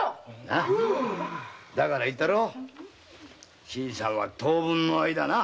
だから新さんは当分の間な。